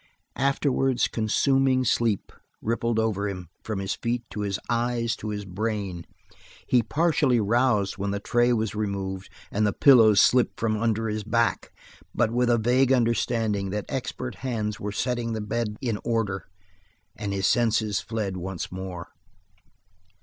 Afterwards, consuming sleep rippled over him from his feet to his eyes to his brain. He partially roused when the tray was removed, and the pillows slipped from under his back, but with a vague understanding that expert hands were setting the bed in order his senses fled once more.